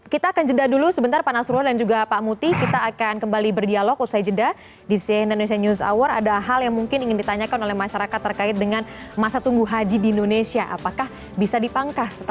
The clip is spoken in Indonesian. kebutuhan air juga sangat